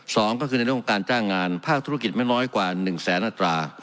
สองก็คือในเรื่องของการจ้างงานภาคธุรกิจไม่น้อยกว่าหนึ่งแสนอัตรา